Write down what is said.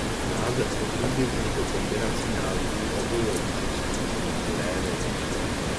Název odrůdy vznikl kombinací názvů obou rodičovských druhů révy.